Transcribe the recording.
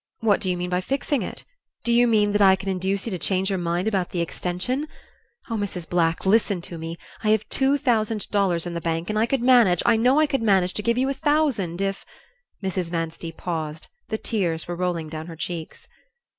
"What do you mean by fixing it? Do you mean that I can induce you to change your mind about the extension? Oh, Mrs. Black, listen to me. I have two thousand dollars in the bank and I could manage, I know I could manage, to give you a thousand if " Mrs. Manstey paused; the tears were rolling down her cheeks.